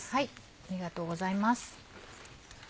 ありがとうございます。